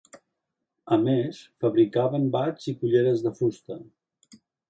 A més fabricaven bats i culleres de fusta.